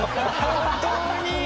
本当に。